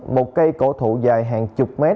một cây cổ thụ dài hàng chục mét